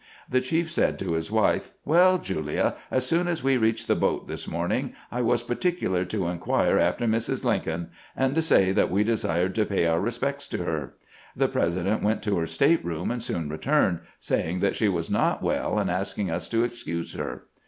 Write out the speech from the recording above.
The chief said to his wife :" "WeU, Julia, as soon as we reached the boat this morning I was particular to inquire after Mrs. Lincoln, and to say that we desired to pay our respects to her. The President went to her state room, and soon returned, saying that she was not well, and asking us to excuse her."